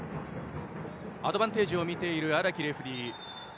アドバンテージをみている荒木レフリー。